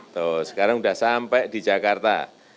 tuh sekarang sudah sampai di jakarta